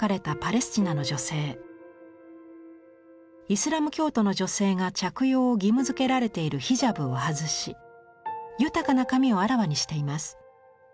イスラム教徒の女性が着用を義務付けられているヒジャブを外し豊かな髪をあらわにしています。